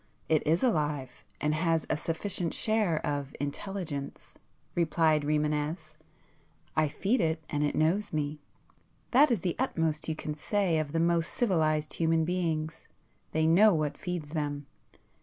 "It is alive, and has a sufficient share of intelligence,"—replied Rimânez. "I feed it and it knows me,—that is the utmost you can say of the most civilized human beings; they know what feeds them.